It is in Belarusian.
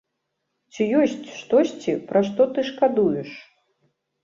Ці ёсць штосьці, пра што ты шкадуеш?